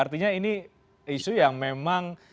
artinya ini isu yang memang